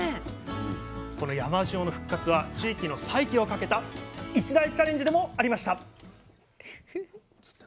この山塩の復活は地域の再起をかけた一大チャレンジでもありました！